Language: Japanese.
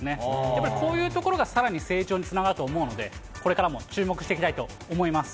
やっぱりこういうところがさらに成長につながると思うので、これからも注目していきたいと思います。